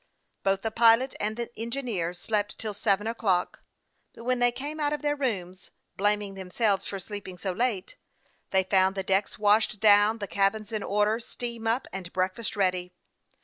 Both the pilot and the engineer slept till seven o'clock; but 'when they came out of their rooms, blaming themselves for sleeping so late, they found the decks washed down, the cabins in order, steam up, and breakfast ready.